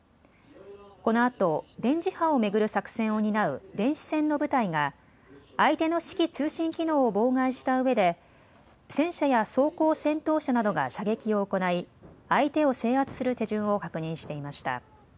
このあと電磁波を巡る作戦を担う電子戦の部隊が相手の指揮・通信機能を妨害したうえで戦車や装甲戦闘車などが射撃を行い相手を制圧する手順を確認していました。